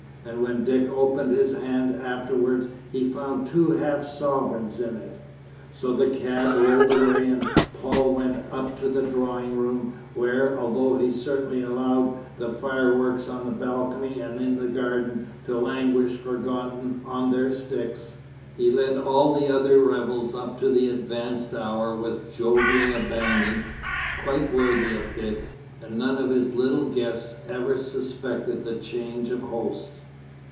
And when Dick opened his hand afterwards, he found two half sovereigns in it. So the cab rolled away, and Paul went up to the drawing room, where, although he certainly allowed the fireworks on the balcony and in the garden to languish forgotten on their sticks, he led all the other revels up to an advanced hour with jovial abandon quite worthy of Dick, and none of his little guests ever suspected the change of host.